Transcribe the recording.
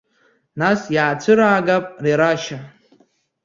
Нас иаацәыраагап рерашьа!